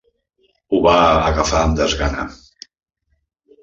Ho va agafar amb desgana.